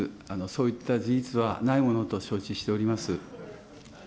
そういった事実はないものと承知しております。